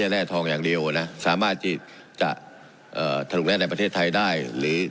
แร่ทองอย่างเดียวนะสามารถที่จะเอ่อถนุกแร่ในประเทศไทยได้หรือ